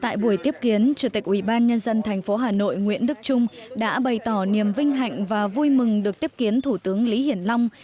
tại buổi tiếp kiến chủ tịch ubnd tp hà nội nguyễn đức trung đã bày tỏ niềm vinh hạnh và vui mừng được tiếp kiến thủ tướng lý hiển long